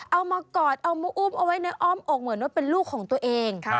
เอามากอดเอามาอุ้มเอาไว้ในอ้อมอกเหมือนว่าเป็นลูกของตัวเอง